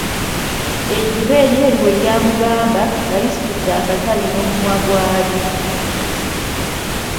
Ejjuba eryeeru bwe lyamugamba, nga lisitudde akatabi n'omumwa gw'alyo.